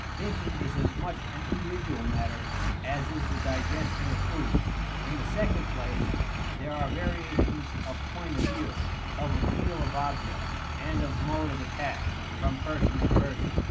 Thinking is as much an individual matter as is the digestion of food. In the second place, there are variations of point of view, of appeal of objects, and of mode of attack, from person to person.